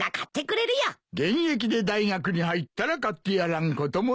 現役で大学に入ったら買ってやらんこともない。